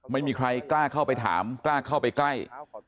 ไม่มีใครกล้าเข้าไปถามกล้าเข้าไปใกล้